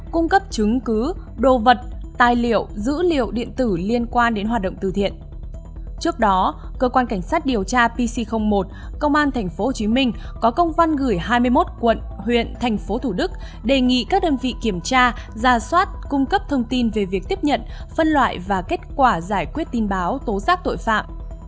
công văn gửi hai mươi một quận huyện thành phố thủ đức đề nghị các đơn vị kiểm tra ra soát cung cấp thông tin về việc tiếp nhận phân loại và kết quả giải quyết tin báo tố xác tội phạm